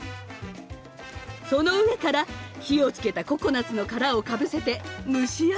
その上から火をつけたココナツの殻をかぶせて蒸し焼きにします。